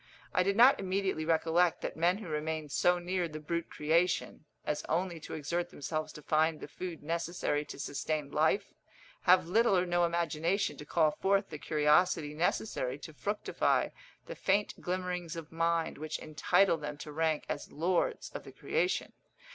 I did not immediately recollect that men who remain so near the brute creation, as only to exert themselves to find the food necessary to sustain life, have little or no imagination to call forth the curiosity necessary to fructify the faint glimmerings of mind which entitle them to rank as lords of the creation.